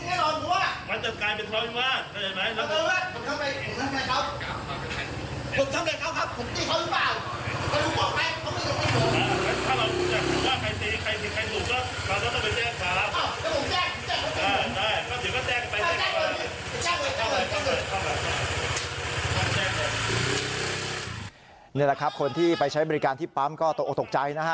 นี่แหละครับคนที่ไปใช้บริการที่ปั๊มก็ตกออกตกใจนะฮะ